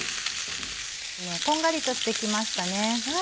こんがりとしてきましたね。